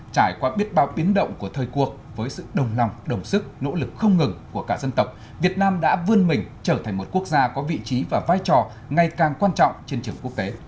trải qua biết bao biến động của thời cuộc với sự đồng lòng đồng sức nỗ lực không ngừng của cả dân tộc việt nam đã vươn mình trở thành một quốc gia có vị trí và vai trò ngày càng quan trọng trên trường quốc tế